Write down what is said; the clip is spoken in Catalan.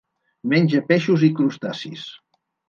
Menja peixos i crustacis.